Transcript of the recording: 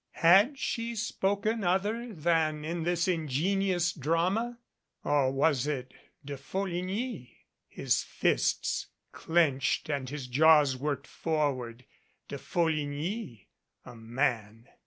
Had she spoken other than in this ingenious drama? Or was it De Folligny? His fists clenched and his jaws worked forward. De Folligny a man.